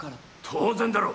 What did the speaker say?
当然だろ。